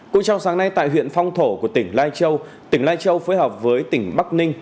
cũng trong sáng nay tại huyện phong thổ của tỉnh lai châu tỉnh lai châu phối hợp với tỉnh bắc ninh